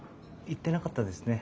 言ってなかったですね。